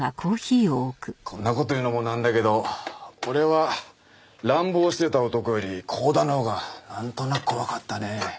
こんな事言うのもなんだけど俺は乱暴してた男より光田のほうがなんとなく怖かったね。